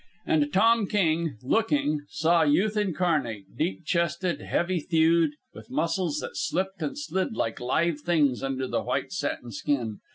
And Tom King, looking, saw Youth incarnate, deep chested, heavy thewed, with muscles that slipped and slid like live things under the white satin skin.